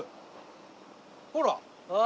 ほら。